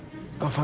ya allah taufan